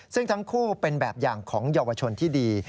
ซึ่งทั้งคู่เป็นแบบอย่างของเยาวชนที่ดี